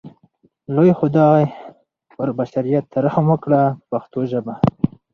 لوی خدای پر بشریت رحم وکړ په پښتو ژبه.